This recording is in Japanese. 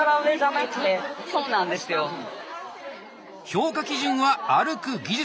評価基準は「歩く技術」。